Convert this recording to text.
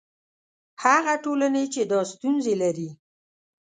هغه ټولنې چې دا ستونزې لري.